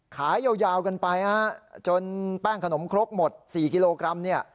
ขายยาวกันไปฮะจนแป้งขนมครกหมด๔กิโลกรัมเนี่ย